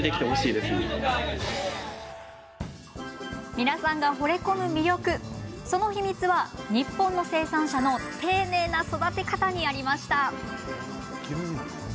皆さんが、ほれ込む魅力その秘密は日本の生産者の丁寧な育て方にありました。